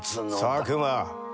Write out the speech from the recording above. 佐久間。